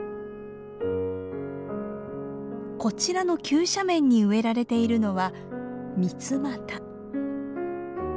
こちらの急斜面に植えられているのはミツマタ。